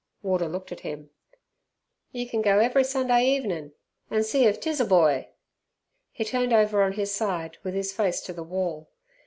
Warder looked at him. "Tell yer wot, you can go every Sunday evenin' an' see if 'tis a boy!" He turned over on his side, with his face to the wall.